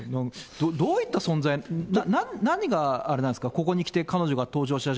どういった存在、何があれなんですか、ここにきて彼女が登場し始